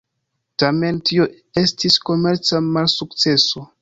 Tamen, tio estis komerca malsukceso.